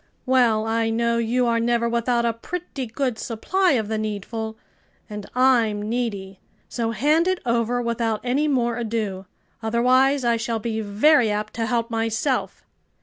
"Well, I know you are never without a pretty good supply of the needful, and I'm needy. So hand it over without any more ado; otherwise I shall be very apt to help myself."